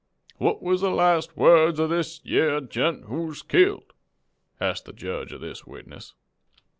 "'What was the last words of this yere gent who's killed?' asked the jedge of this witness.